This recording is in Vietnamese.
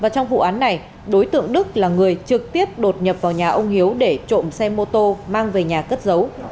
trong vụ án này đối tượng đức là người trực tiếp đột nhập vào nhà ông hiếu để trộm xe mô tô mang về nhà cất giấu